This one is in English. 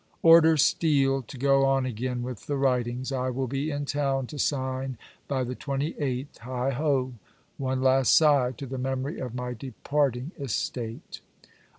Order Steele to go on again with the writings. I will be in town to sign by the twenty eighth. Heigh ho! One last sigh to the memory of my departing estate.